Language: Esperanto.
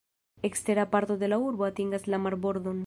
Ekstera parto de la urbo atingas la marbordon.